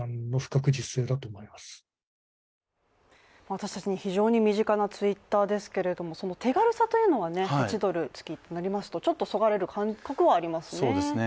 私たちに非常に身近なツイッターですけれどもその手軽さというのは月８ドルとなりますとちょっとそがれる感じはありますね。